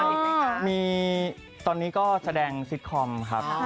หวังว่าทีนี้ก็แสดงซิทคอมครับ